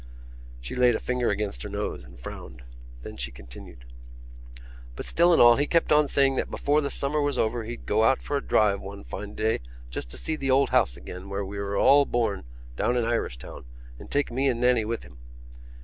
She laid a finger against her nose and frowned: then she continued: "But still and all he kept on saying that before the summer was over he'd go out for a drive one fine day just to see the old house again where we were all born down in Irishtown and take me and Nannie with him.